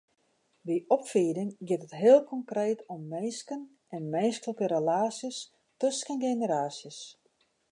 By opfieding giet it heel konkreet om minsken en minsklike relaasjes tusken generaasjes.